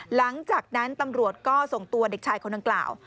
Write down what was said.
หลังจากนั้นตำรวจก็ส่งตัวเด็กชายคนดังกล่าว